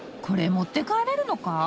これ持って帰れるのか？